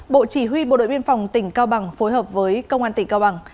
bộ chỉ huy bộ đội biên phòng tỉnh cao bằng phối hợp với công an tỉnh cao bằng